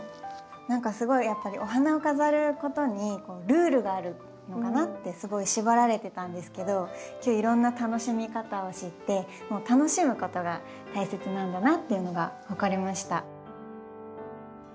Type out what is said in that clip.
何かすごいやっぱりお花を飾ることにルールがあるのかなってすごい縛られてたんですけど今日いろんな楽しみ方を知って楽しむことが大切なんだなっていうのが分かりました。